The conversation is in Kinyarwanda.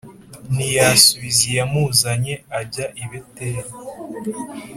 ntiyasubiza iyamuzanye ajya i Beteli